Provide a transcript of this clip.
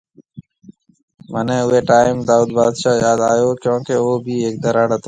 منهي اوئي ٽائيم دائود بادشاه ياد آيو۔ ڪيونڪي او ڀي هيڪ ڌراڙ هتو